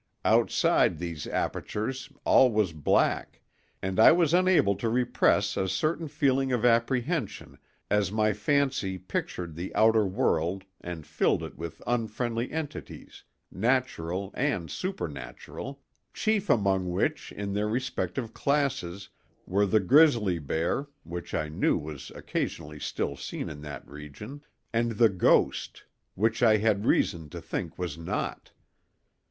Outside these apertures all was black, and I was unable to repress a certain feeling of apprehension as my fancy pictured the outer world and filled it with unfriendly entities, natural and supernatural—chief among which, in their respective classes, were the grizzly bear, which I knew was occasionally still seen in that region, and the ghost, which I had reason to think was not.